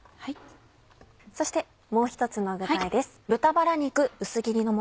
そしてもう一つの具材です。